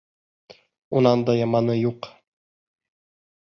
Унан да яманы юҡ.